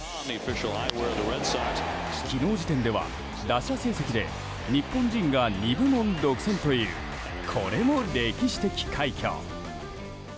昨日時点では打者成績で日本人が２部門独占というこれも歴史的快挙。